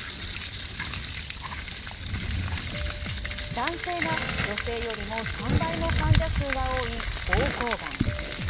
男性が女性よりも３倍も患者数が多い膀胱がん。